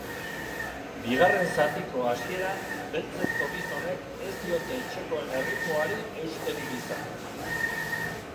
Bigarren zatiko hasieran beltzezko gizonek ez diote etxekoen erritmoari eusterik izan.